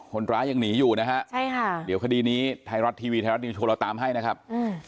คนร้ายยังหนีอยู่นะฮะใช่ค่ะเดี๋ยวคดีนี้ไทยรัฐทีวีไทยรัฐนิวโชว์เราตามให้นะครับอืม